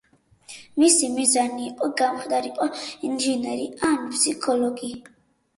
მისი მიზანი იყო გამხდარიყო ინჟინერი ან ფსიქოლოგი.